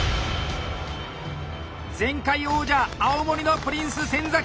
前回王者青森のプリンス・先！